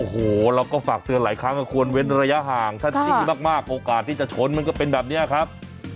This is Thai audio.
โอ้โหเราก็ฝากเตือนหลายครั้งก็ควรเว้นระยะห่างถ้าจริงมากโอกาสที่จะชนมันก็เป็นแบบนี้ครับ